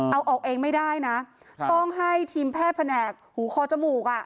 เอาออกเองไม่ได้นะต้องให้ทีมแพทย์แผนกหูคอจมูกอ่ะ